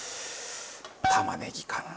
玉ねぎかな。